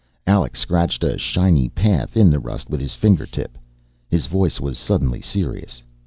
Alec scratched a shiny path in the rust with his fingertip. His voice was suddenly serious.